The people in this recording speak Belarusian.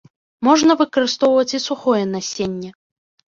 Можна выкарыстоўваць і сухое насенне.